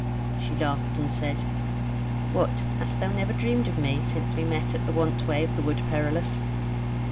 She laughed and said: "What! hast thou never dreamed of me since we met at the want way of the Wood Perilous?"